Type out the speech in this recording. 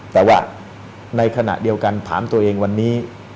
แต่ว่าในขณะเดียวกันถามตัวเองวันนี้